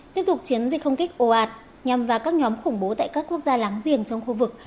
tiếp tục chiến dịch không kích ồ ạt nhằm vào các nhóm khủng bố tại các quốc gia láng giềng trong khu vực